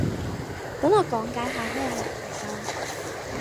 等我講解下咩係黎明啦